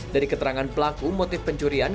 dari keterangan pelaku motif pencurian